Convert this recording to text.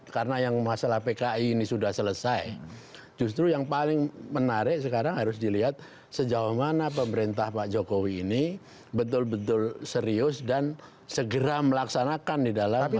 karena yang masalah pki ini sudah selesai justru yang paling menarik sekarang harus dilihat sejauh mana pemerintah pak jokowi ini betul betul serius dan segera melaksanakan di dalam masalah hti